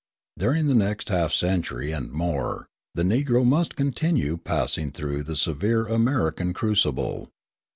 During the next half century, and more, the Negro must continue passing through the severe American crucible.